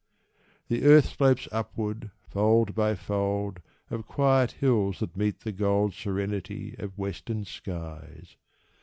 The earth slopes upward, fold by fold Of quiet hills that meet the gold Serenity of western skies.